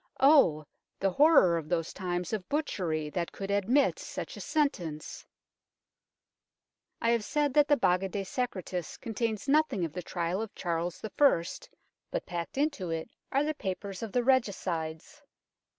Oh ! the horror of those times of butchery that could admit such a sentence ! I have said that the Baga de Secretis contains nothing of the trial of Charles I., but packed into it are the papers of the Regicides.